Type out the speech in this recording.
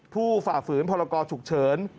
ผู้ฝากฝืนพรกรฉุกเฉิน